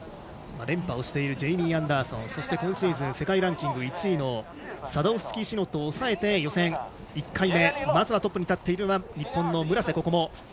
連覇をしているジェイミー・アンダーソンそして今シーズン世界ランキング１位のサドフスキシノットを抑えて予選１回目まずはトップに立っているのは日本の村瀬心椛。